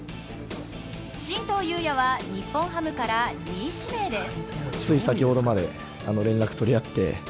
進藤勇也は日本ハムから２位指名です。